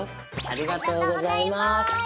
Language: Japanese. ありがとうございます。